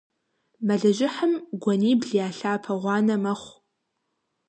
Мэлыжьыхьым гуэнибл я лъапэ гъуанэ мэхъу.